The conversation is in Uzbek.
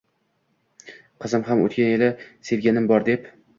Qizim ham o’tgan yil «sevganim bor», deb